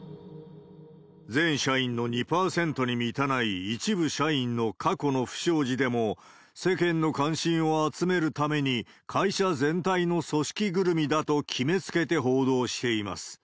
全社員の２％に満たない一部社員の過去の不祥事でも、世間の関心を集めるために、会社全体の組織ぐるみだと決めつけて報道しています。